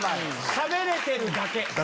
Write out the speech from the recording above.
しゃべれてるだけ。